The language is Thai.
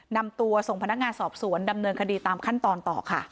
นำตัวส่งพนักงานสอบสวนดำเนินคดีตามขั้นตอนต่อค่ะ